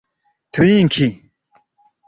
trinki